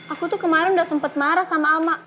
aku tuh kemarin udah sempet marah sama alma